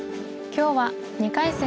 今日は２回戦